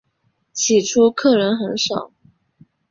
起初客人极少。